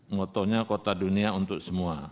motonya kota dunia untuk semua